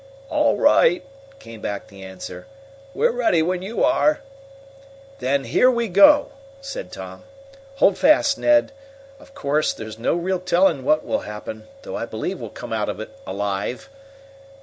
"All right," came back the answer. "We're ready when you are." "Then here we go!" said Tom. "Hold fast, Ned! Of course there's no real telling what will happen, though I believe we'll come out of it alive."